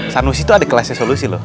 sanusi itu ada kelasnya solusi loh